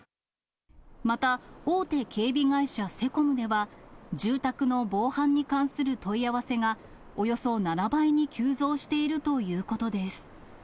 また、大手警備会社、セコムでは、住宅の防犯に関する問い合わせがおよそ７倍に急増しているということです。